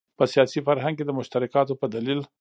په سیاسي فرهنګ کې د مشترکاتو په دلیل.